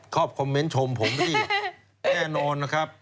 คอมเมนต์ชมผมนี่แน่นอนนะครับ